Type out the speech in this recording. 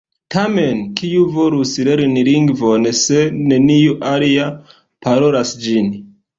Tamen, kiu volus lerni lingvon, se neniu alia parolas ĝin?